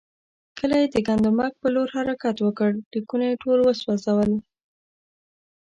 کله یې د ګندمک پر لور حرکت وکړ، لیکونه یې ټول وسوځول.